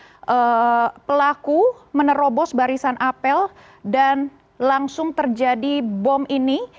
bahwa masih sebenarnya pelaku menerobos barisan apel dan langsung terjadi bom ini